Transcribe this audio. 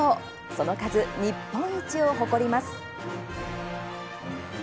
その数、日本一を誇ります。